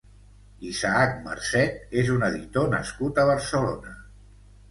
Isaac Marcet és un editor nascut a Barcelona.